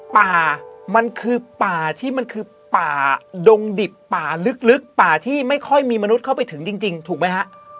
ป่ามันคือป่าที่มันคือป่าดงดิบป่าลึกป่าที่ไม่ค่อยมีมนุษย์เข้าไปถึงจริงถูกไหมฮะ